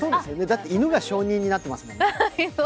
だって犬が証人になってますもんね。